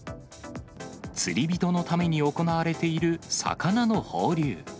釣り人のために行われている魚の放流。